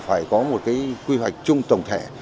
phải có một quy hoạch chung tổng thể